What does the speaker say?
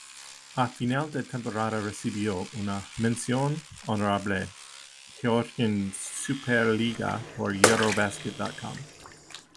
A final de temporada recibió una "mención honorable" Georgian Super Liga por "Eurobasket.com".